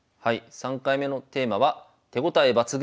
３回目のテーマは「手応え抜群！